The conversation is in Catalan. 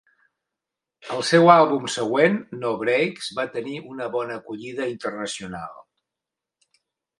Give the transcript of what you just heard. El seu àlbum següent, No Brakes, va tenir una bona acollida internacional.